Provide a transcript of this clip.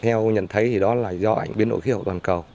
theo nhận thấy thì đó là do ảnh biến đổi khí hậu toàn cầu